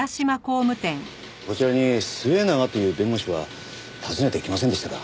こちらに末永という弁護士は訪ねてきませんでしたか？